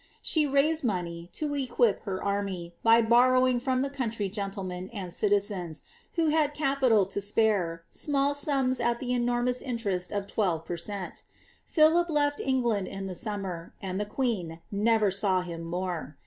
. She niaed money, to equip her anny, 1^ borrowinf from the conntiy gentlemen end citiienei who hed capiinl to eperB, tni^ eume at the enormoue inteceet of twelve per cent Philm Ml Evbnd in the summer, and the queen never eew him moie.